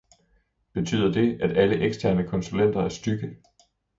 Betyder det, at alle eksterne konsulenter er stygge?